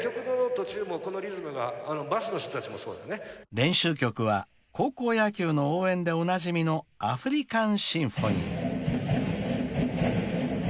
［練習曲は高校野球の応援でおなじみの『アフリカン・シンフォニー』］